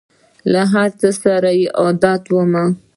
له هر څه سره یې عادت وم !